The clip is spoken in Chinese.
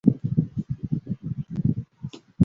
今日是伊斯兰历。